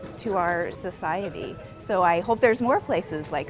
semua orang bisa buat untuk masyarakat kita